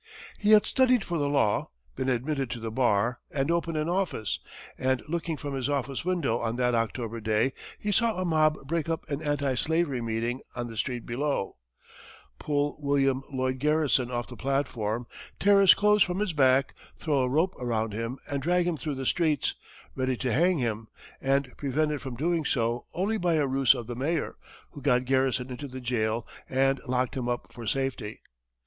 He had studied for the law, been admitted to the bar, and opened an office, and looking from his office window on that October day, he saw a mob break up an anti slavery meeting on the street below, pull William Lloyd Garrison off the platform, tear his clothes from his back, throw a rope around him and drag him through the streets, ready to hang him, and prevented from doing so only by a ruse of the mayor, who got Garrison into the jail and locked him up for safety.